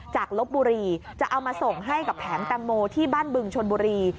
ลบบุรีจะเอามาส่งให้กับแผงแตงโมที่บ้านบึงชนบุรี